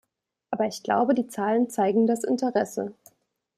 Aber ich glaube, die Zahlen zeigen das Interesse.